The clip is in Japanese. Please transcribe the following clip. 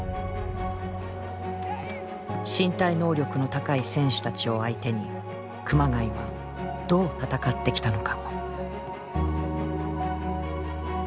身体能力の高い選手たちを相手に熊谷はどう戦ってきたのか。